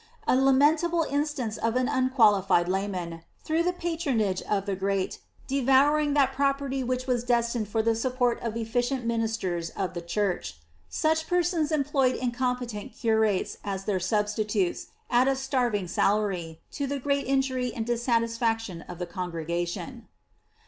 A lamentable instance of an unqualified layman, through the patronage of the great, devouring that property which was destined for the support of efficient ministers of the church. Such persons employed incompetent curates as their substitutes, at a starving salary, to the great injury and dissatisfaction of the congregation.